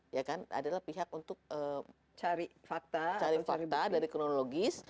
ya kan adalah pihak untuk cari fakta dari kronologis